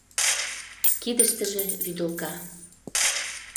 кидыштыже вӱдылка.